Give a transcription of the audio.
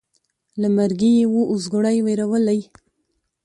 له مرګي یې وو اوزګړی وېرولی